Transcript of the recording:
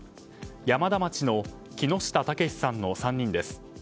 山田町の木下健さんの３人です。